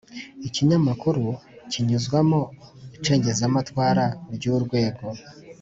ikinyamakuru kinyuzwamo icengezamatwara ry’urwego